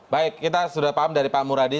baik kita sudah paham dari pak muradi